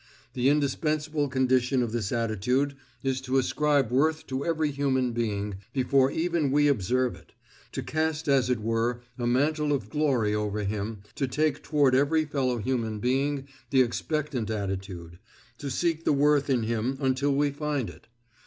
The indispensable condition of this attitude is to ascribe worth to every human being before even we observe it, to cast as it were a mantle of glory over him, to take toward every fellow human being the expectant attitude, to seek the worth in him until we find it.